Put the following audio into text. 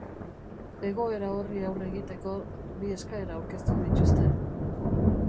Egoera horri aurre egiteko, bi eskaera aurkeztu dituzte.